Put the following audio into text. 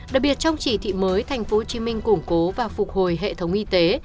đặc biệt trong chỉ thị mới tp hcm củng cố và phục hồi hệ thống y tế